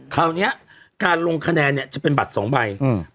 คราวนี้การลงคะแนนเนี่ยจะเป็นบัตรสองใบอืม